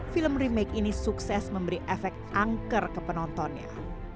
film remake ini sukses memberi efek angker ke penontonnya